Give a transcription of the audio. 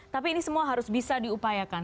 tapi ini semua harus bisa diupayakan